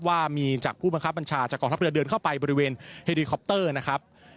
ว่ามีจากผู้บังคับบัญชาจากกองทัพเรือเดินเข้าไปบริเวณเฮริคอปเตอร์นะครับ